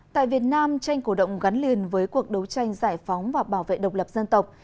tại việt nam tranh cổ động gắn liền với cuộc đấu tranh giải phóng và bảo vệ độc lập dân tộc